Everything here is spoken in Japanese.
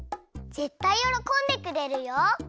ぜったいよろこんでくれるよ！